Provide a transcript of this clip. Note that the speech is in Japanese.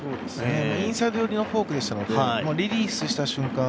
インサイド寄りのフォークでしたのでリリースした瞬間